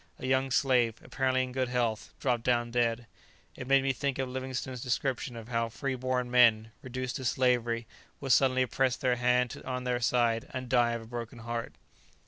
A young slave, apparently in good health, dropped down dead. It made me think of Livingstone's description of how free born men, reduced to slavery, will suddenly press their hand on their side, and die of a broken heart.